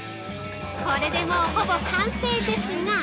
これで、もうほぼ完成ですが。